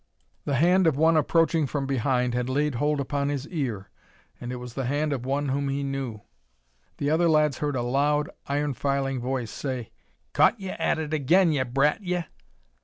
The hand of one approaching from behind had laid hold upon his ear, and it was the hand of one whom he knew. The other lads heard a loud, iron filing voice say, "Caught ye at it again, ye brat, ye."